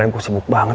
engga dia mau